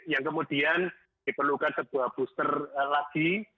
yang kemudian diperlukan sebuah booster lagi